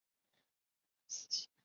毁谤司机